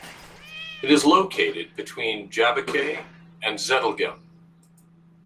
It is located between Jabbeke and Zedelgem.